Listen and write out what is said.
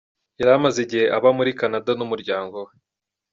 Yari amaze igihe aba muri Canada n’umuryango we.